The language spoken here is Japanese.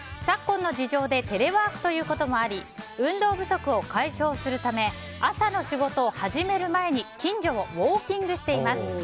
昨今の事情でテレワークということもあり運動不足を解消するため朝の仕事を始める前に近所をウォーキングしています。